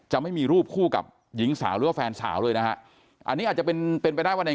ไม่มีรูปคู่กับหญิงสาวหรือว่าแฟนสาวเลยนะฮะอันนี้อาจจะเป็นเป็นไปได้ว่าใน